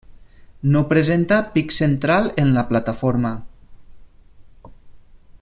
No presenta pic central en la plataforma.